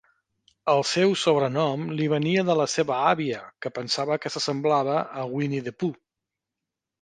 El seu sobrenom li venia de la seva àvia, que pensava que s'assemblava a Winnie the Pooh.